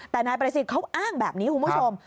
แต่นายประสิทธิ์เขาอ้างแบบนี้คุณผู้ชม